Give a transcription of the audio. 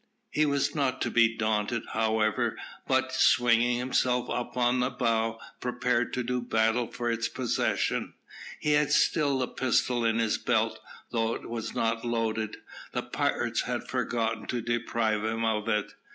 He was not to be daunted, however, but, swinging himself up on the bough, prepared to do battle for its possession. He had still a pistol in his belt, though it was not loaded. The pirates had forgotten to deprive him of it.